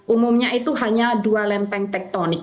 umumnya itu hanya dua lempeng tektonik